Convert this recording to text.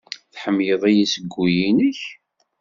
Tḥemmleḍ-iyi seg wul-nnek?